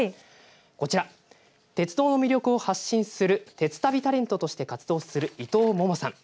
こちら鉄道の魅力を発信する鉄旅タレントとして活動する伊藤桃さん。